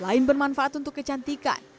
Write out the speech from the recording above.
selain bermanfaat untuk kecantikan